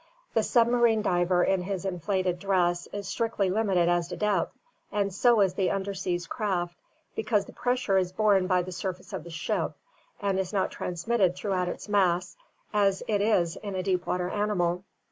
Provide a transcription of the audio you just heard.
The submarine diver in his inflated dress is strictly limited as to depth, and so is the underseas craft, because the pressure is borne by the surface of the ship and is not transmitted throughout its mass as it is in a deep water animal.